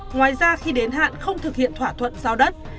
ngoài ra khi đến hạn không thực hiện thỏa thuận giao đất